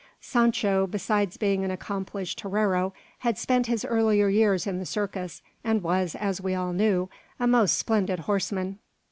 Sancho, besides being an accomplished torero, had spent his earlier years in the circus, and was, as we all knew, a most splendid horseman.